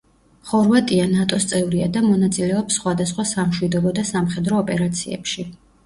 ხორვატია ნატო-ს წევრია და მონაწილეობს სხვადასხვა სამშვიდობო და სამხედრო ოპერაციებში.